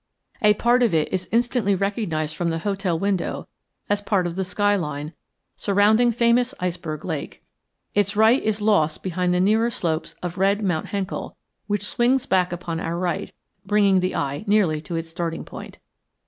A part of it is instantly recognized from the hotel window as part of the sky line surrounding famous Iceberg Lake. Its right is lost behind the nearer slopes of red Mount Henkel, which swings back upon our right, bringing the eye nearly to its starting point.